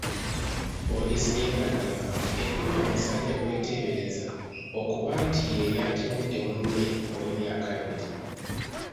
Poliisi y'e Naggalama ekutte omusajja gw'eteebereza okuba nti ye yatemudde munne ow'emyaka abiri.